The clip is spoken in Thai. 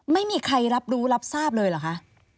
ไม่มีใครรับรู้รับทราบเลยเหรอคะ